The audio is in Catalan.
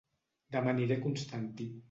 Dema aniré a Constantí